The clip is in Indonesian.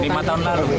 lima tahun lalu